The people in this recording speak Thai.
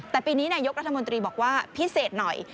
แต่ปีนี้นายกรัฐมนตรีบอกว่าพิเศษหน่อย